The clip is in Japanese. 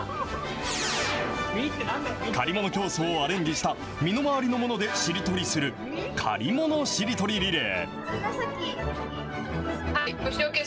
借り物競争をアレンジした身の回りのもので、しりとりする、借り物しりとりリレー。